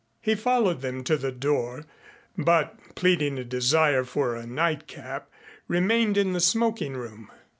He followed them to the door, but pleading a desire for a night cap, remained in the smoking room.